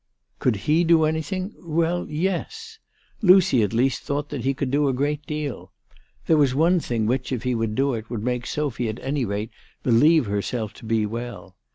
Could he do anything ? well ; yes. Lucy at least thought that he could do a great deal. There was one thing which, if he would do it, would make Sophy at any rate believe herself to be well.